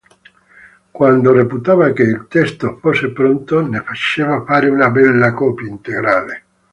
Quando reputava che il testo fosse pronto ne faceva fare una bella copia integrale.